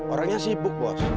orangnya sibuk bos